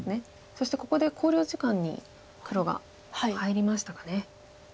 そしてここで考慮時間に黒が入りましたかね。